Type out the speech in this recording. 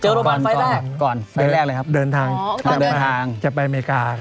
เจอกับโรมันไฟล์แรกก่อนไฟล์แรกเลยครับเดินทางจะไปอเมริกา